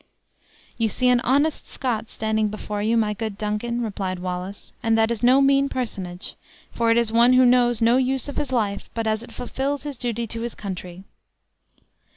"You see an honest Scot standing before you, my good Duncan," replied Wallace; "and that is no mean personage; for it is one who knows no use of his life but as it fulfills his duty to his country!"